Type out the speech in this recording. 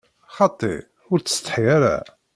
Xaṭi, ur ttsetḥi ara!